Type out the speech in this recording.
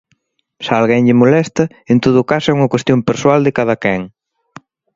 Se a alguén lle molesta, en todo caso é unha cuestión persoal de cadaquén.